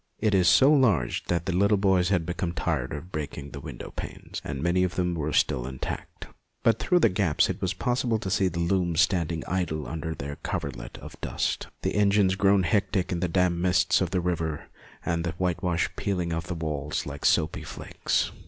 It was so large that the little boys had become tired of breaking the window panes, and many of them were still intact ; but through the gaps it was possible to see the looms standing idle under their 246 MONOLOGUES coverlet of dust, the engines grown hectic in the damp mists of the river, and the whitewash peeling from the walls in soapy flakes.